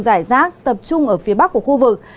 giải rác tập trung ở phía bắc của khu vực